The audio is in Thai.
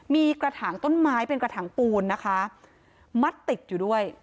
มีกระถางต้นไม้เป็นกระถางปูนนะคะมัดติดอยู่ด้วย